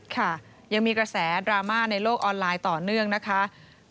ค่ะยังมีกระแสดราม่าในโลกออนไลน์ต่อเนื่องนะคะ